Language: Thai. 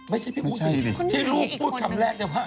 ไม่ใช่พี่พูดสิที่ลูกพูดคำแรก